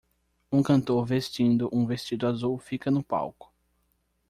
Um cantor vestindo um vestido azul fica no palco.